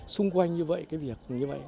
xung quanh như vậy cái việc như vậy